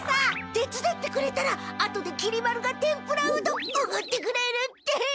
てつだってくれたらあとできり丸が天ぷらうどんおごってくれるって！